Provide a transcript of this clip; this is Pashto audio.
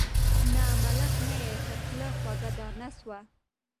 نه ملخ نه یې تر خوله خوږه دانه سوه